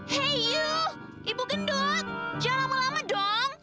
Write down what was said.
hey you ibu gendut jangan lama lama dong